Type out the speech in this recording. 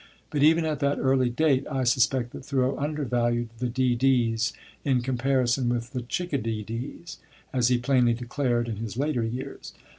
But even at that early date, I suspect that Thoreau undervalued the "D. D.'s" in comparison with the "chickadedees," as he plainly declared in his later years.